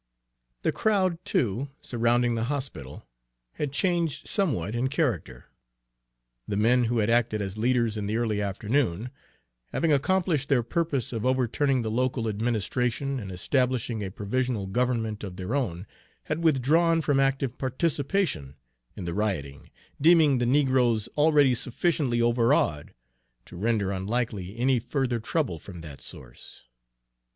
The crowd, too, surrounding the hospital, had changed somewhat in character. The men who had acted as leaders in the early afternoon, having accomplished their purpose of overturning the local administration and establishing a provisional government of their own, had withdrawn from active participation in the rioting, deeming the negroes already sufficiently overawed to render unlikely any further trouble from that source.